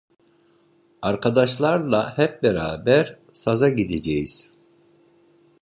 Arkadaşlarla hep beraber saza gideceğiz…